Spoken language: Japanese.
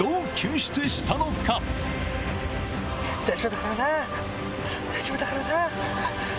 大丈夫だからな大丈夫だからな。